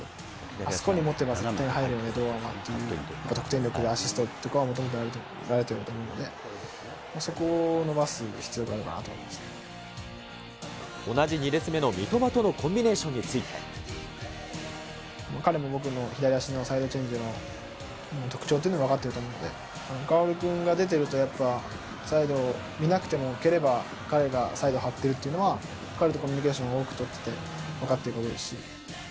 あそこで持てば絶対入るよね、堂安はって、得点力やアシストを求められているんだと思うので、そこを伸ばす必要があるなと思い同じ２列目の三笘とのコンビ彼も僕も、左足のサイドチェンジの特徴というのが分かってると思うので、薫君が出てると、やっぱサイド見なくても蹴れば、彼がサイド、張ってるっていうのは、彼とコミュニケーションを多く取ってて分かってるだろうし。